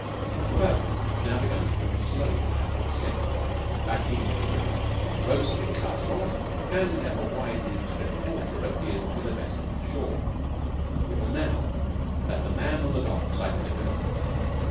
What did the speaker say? The boat had now begun to move slowly out of its slip, backing into the river. Ropes had been cast off, and an ever widening strip of water appeared between the vessel and the shore. It was now that the man on the dock sighted the girl.